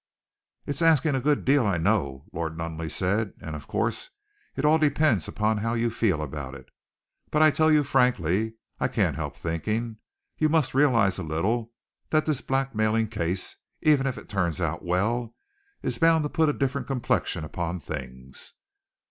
"It's asking a good deal, I know," Lord Nunneley said, "and, of course, it all depends upon how you feel about it. But I tell you frankly, I can't help thinking you must realize a little that this blackmailing case, even if it turns out well, is bound to put a different complexion upon things."